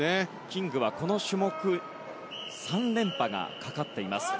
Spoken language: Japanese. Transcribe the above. キングは、この種目３連覇がかかっています。